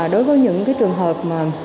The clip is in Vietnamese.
đối với những trường hợp